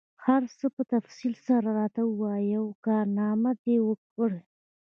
هر څه په تفصیل سره راته ووایه، یوه کارنامه دي وکړل؟